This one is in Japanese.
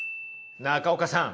中岡さん